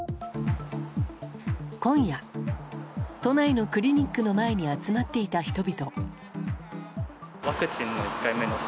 今夜、都内のクリニックの前に集まっていた人々。